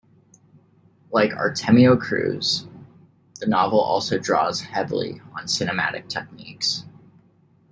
Like "Artemio Cruz", the novel also draws heavily on cinematic techniques.